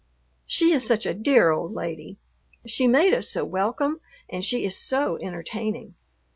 She is such a dear old lady! She made us so welcome and she is so entertaining.